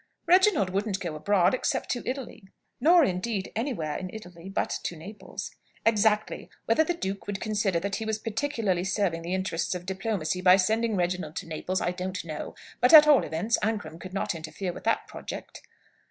"Reginald wouldn't go abroad, except to Italy. Nor, indeed, anywhere in Italy but to Naples." "Exactly. Whether the duke would consider that he was particularly serving the interests of diplomacy by sending Reginald to Naples, I don't know. But, at all events, Ancram could not interfere with that project."